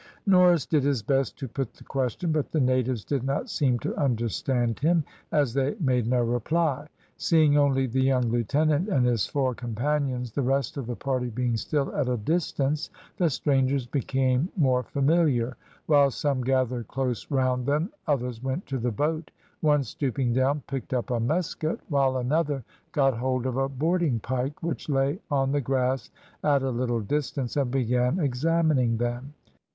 Norris did his best to put the question, but the natives did not seem to understand him, as they made no reply. Seeing only the young lieutenant and his four companions the rest of the party being still at a distance, the strangers became more familiar. While some gathered close round them others went to the boat: one stooping down picked up a musket, while another got hold of a boarding pike, which lay on the grass at a little distance, and began examining them.